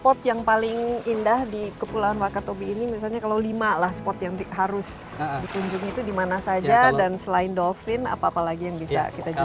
spot yang paling indah di kepulauan wakatobi ini misalnya kalau lima lah spot yang harus dikunjungi itu dimana saja dan selain dolphin apa apa lagi yang bisa kita jual